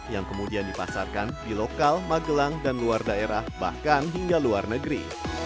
yang kemudian dipasarkan di lokal magelang dan luar daerah bahkan hingga luar negeri